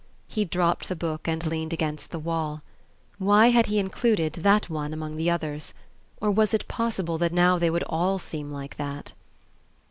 He dropped the book and leaned against the wall. Why had he included that one among the others? Or was it possible that now they would all seem like that...?